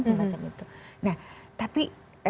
semacam itu nah tapi